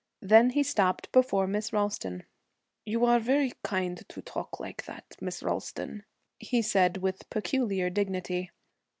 Then he stopped before Miss Ralston. 'You are very kind to talk like that, Miss Ralston,' he said, with peculiar dignity.